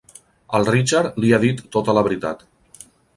El Richard li ha dit tota la veritat.